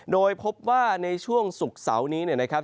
โดยพบว่าในช่วงศุกร์เสาร์นี้เนี่ยนะครับ